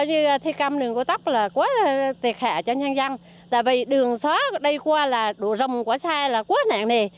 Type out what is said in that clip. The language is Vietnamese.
quá thiệt hạ cho nhân dân tại vì đường xóa đây qua là đổ rồng quá xa là quá nạn nề